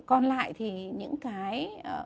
còn lại thì những cái